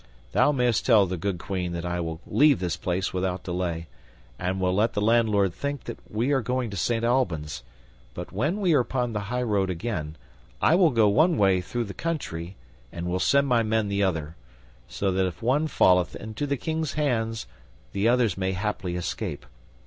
Thou mayst tell the good Queen that I will leave this place without delay, and will let the landlord think that we are going to Saint Albans; but when we are upon the highroad again, I will go one way through the country and will send my men the other, so that if one falleth into the King's hands the others may haply escape.